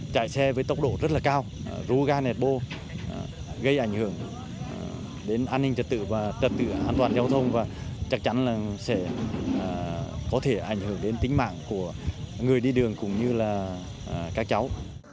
cái xe với tốc độ rất là cao rú gai nẹt bô gây ảnh hưởng đến an ninh trật tự và trật tự an toàn giao thông và chắc chắn là sẽ có thể ảnh hưởng đến tính mạng của người đi đường cũng như là các cháu